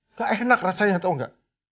nggak enak rasanya tau nggak